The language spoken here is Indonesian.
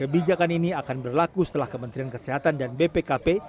kebijakan ini akan berlaku setelah kementerian kesehatan dan bpkp